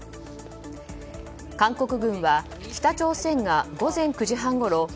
韓国軍は北朝鮮が午前９時半ごろ